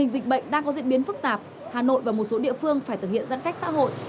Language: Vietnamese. sau diễn biến phức tạp hà nội và một số địa phương phải thực hiện giãn cách xã hội